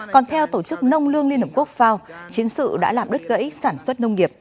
còn theo tổ chức nông lương liên hợp quốc fao chiến sự đã làm đất gãy sản xuất nông nghiệp